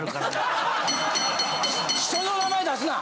人の名前出すな！